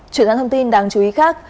chuyển sang thông tin đáng chú ý khác